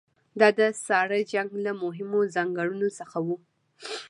دا د ساړه جنګ له مهمو ځانګړنو څخه وه.